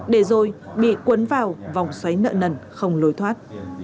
để rồi bị cuốn vào vòng xoáy nợ nần không lối thoát